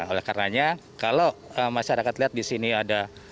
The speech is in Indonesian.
oleh karenanya kalau masyarakat lihat di sini ada